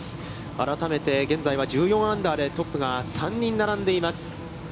改めて、現在は１４アンダーでトップが３人並んでいます。